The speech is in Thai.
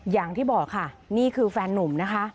อย่างที่บอกค่ะนี่คือแฟนนุ่มนะคะ